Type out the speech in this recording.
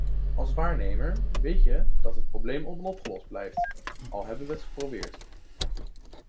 Als waarnemer weet je dat het probleem onopgelost blijft, al hebben wij het geprobeerd.